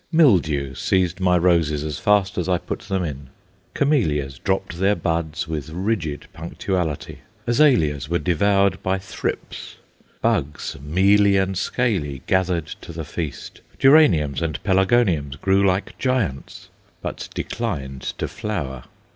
Mildew seized my roses as fast as I put them in; camellias dropped their buds with rigid punctuality; azaleas were devoured by thrips; "bugs," mealy and scaly, gathered to the feast; geraniums and pelargoniums grew like giants, but declined to flower.